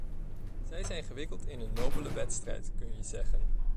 Zij zijn gewikkeld in een nobele wedstrijd, kun je zeggen.